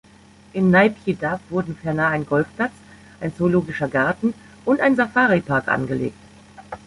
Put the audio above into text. In Naypyidaw wurden ferner ein Golfplatz, ein Zoologischer Garten und ein Safari-Park angelegt.